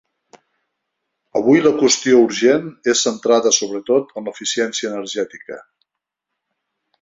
Avui, la qüestió urgent és centrada sobretot en l’eficiència energètica.